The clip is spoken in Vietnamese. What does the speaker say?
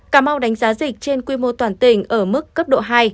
cà mau đánh giá dịch trên quy mô toàn tỉnh ở mức cấp độ hai